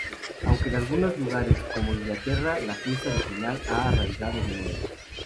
Aunque en algunos lugares, como Inglaterra, la fiesta original ha arraigado de nuevo.